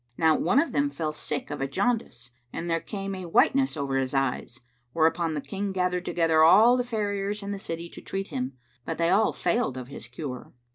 Now one of them fell sick of a jaundice and there came a whiteness over his eyes;[FN#553] whereupon the King gathered together all the farriers in the city to treat him; but they all failed of his cure.